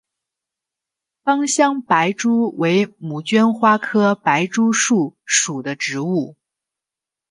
芳香白珠为杜鹃花科白珠树属的植物。